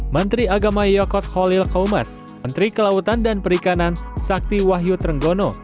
menteri agama yokot khalil kaumas menteri kelautan dan perikanan sakti wahyu trenggono